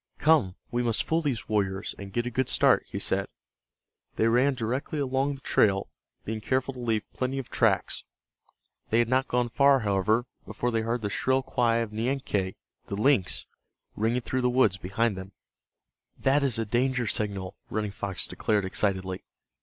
"Come, we must fool those warriors, and get a good start," he said. They ran directly along the trail, being careful to leave plenty of tracks. They had not gone far, however, before they heard the shrill cry of Nianque, the lynx, ringing through the woods behind them. "That is a danger signal," Running Fox declared, excitedly.